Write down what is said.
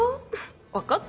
分かった？